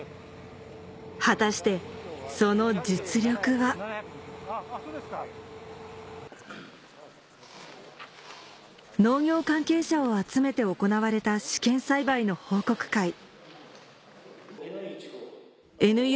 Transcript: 果たしてその実力は農業関係者を集めて行われた試験栽培の報告会ＮＵ